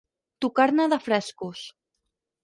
Tocar-ne de frescos.